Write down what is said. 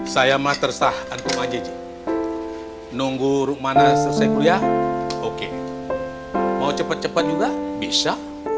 saya mah tersah agung aja nunggu mana selesai kuliah oke mau cepat cepat juga bisa